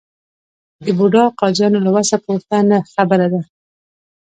د بوډا قاضیانو له وسه پورته خبره ده.